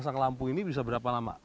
masak lampu ini bisa berapa lama